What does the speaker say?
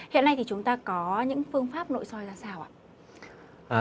hiện nay thì chúng ta có những phương pháp nội soi ra sao ạ